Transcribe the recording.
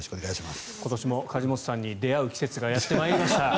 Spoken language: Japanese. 今年も梶本さんに出会う季節がやってまいりました。